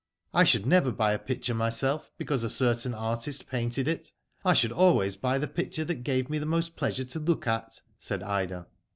I should never buy a picture myself because a certain artist painted it. I should always buy* the picture that gave me the most pleasure to look at," said Ida.